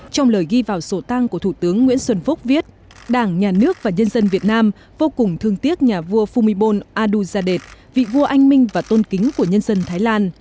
trong lời ghi vào sổ tăng của thủ tướng nguyễn xuân phúc viết đảng nhà nước và nhân dân việt nam vô cùng thương tiếc nhà vua fumibon aduzade vị vua anh minh và tôn kính của nhân dân thái lan